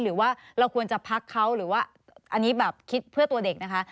หรือว่าเราควรจะพักเขาหรือว่าอันนี้แบบคิดเพื่อตัวเด็กนะคะ